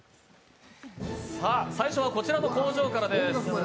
最初はこちらの工場からです。